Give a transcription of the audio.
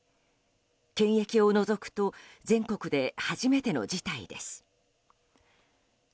検疫を除くと全国で初めての事態です。